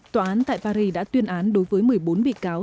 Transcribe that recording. tòa án tại paris đã tuyên án đối với một mươi bốn bị cáo